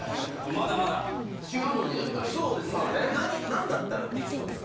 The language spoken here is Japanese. まだまだ違うのでやったらいい何だったらできそうですか？